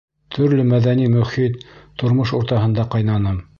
Төрлө мәҙәни мөхит, тормош уртаһында ҡайнаным.